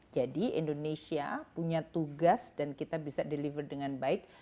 jadi indonesia punya tugas dan kita bisa deliver dengan baik